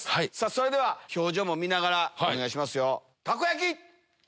それでは表情も見ながらお願いしますよ。